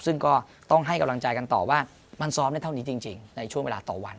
ซึ่งก็ต้องให้กำลังใจกันต่อว่ามันซ้อมได้เท่านี้จริงในช่วงเวลาต่อวัน